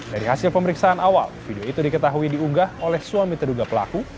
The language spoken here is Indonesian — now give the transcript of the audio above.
dari hasil pemeriksaan awal video itu diketahui diunggah oleh suami terduga pelaku